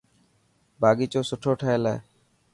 باغيچو سٺو ٺهيل هي.